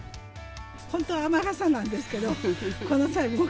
本当は雨傘なんですけど、この際、もう。